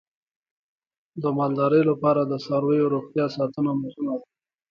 د مالدارۍ لپاره د څارویو روغتیا ساتنه مهمه ده.